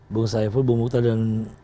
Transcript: bung saiful bung mukta dan